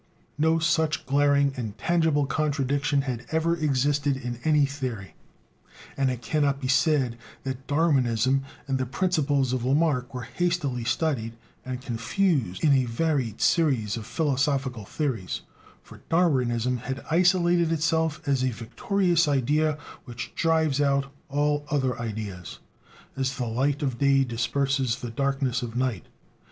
No such glaring and tangible contradiction had ever existed in any theory. And it cannot be said that Darwinism and the principles of Lamarck were hastily studied and confused in a varied series of philosophical theories, for Darwinism had isolated itself as a victorious idea which drives out all other ideas, as the light of day disperses the darkness of night.